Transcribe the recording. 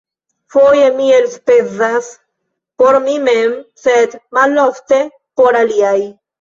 Foje mi elspezas por mi mem, sed malofte por aliaj.